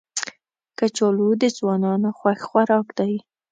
کچالو د ځوانانو خوښ خوراک دی